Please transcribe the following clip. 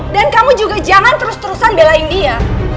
dan kamu juga jangan terus terusan belai dia